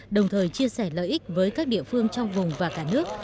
đồng thời chia sẻ lợi ích với các địa phương trong vùng và cả nước